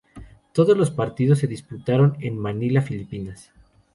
Todos los partidos se disputaron en Manila, Filipinas.